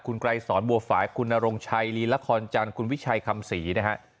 คุณไกรสอนบัวฝ่ายคุณนรงชัยลีละครจันทร์คุณวิชัยคำศรีนะฮะ